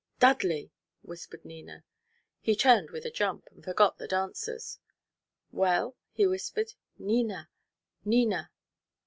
"Dudley!" whispered Nina. He turned with a jump, and forgot the dancers. "Well?" he whispered. "Nina! Nina!"